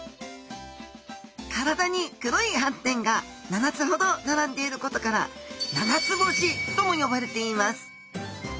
体に黒い斑点が７つほど並んでいることから七つ星とも呼ばれています